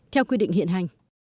theo quy định hiện hành